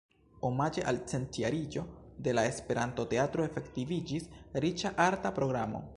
Omaĝe al centjariĝo de la Esperanto-teatro efektiviĝis riĉa arta programo.